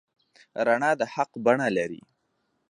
رڼا د حق بڼه لري.